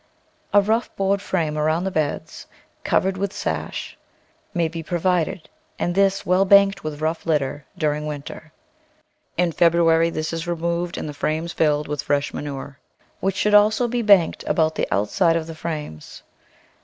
A rough board frame around the beds, covered with sash, may be pro vided and this well banked with rough litter during winter. In February this is removed and the frames filled with fresh manure, which shouldv, also be banked about the outside of the frames.